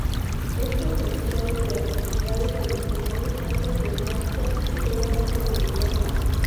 Estos sensores y habilidades adicionales hacen que Baxter sea menos peligroso.